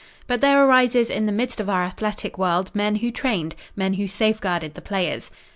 But there arises in the midst of our athletic world men who trained, men who safeguarded the players.